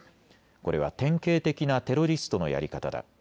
これは典型的なテロリストのやり方だ。